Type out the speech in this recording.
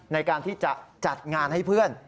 ในการที่จะจัดงานให้เพื่อน